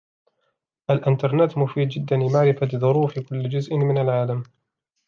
الإنترنت مفيد جدا لمعرفة ظروف كل جزء من العالم.